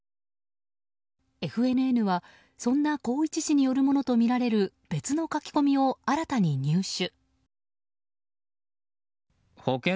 ＦＮＮは、そんな宏一氏によるものとみられる別の書き込みを新たに入手。